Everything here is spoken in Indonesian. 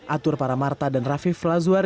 atur para marta dan rafif lazwar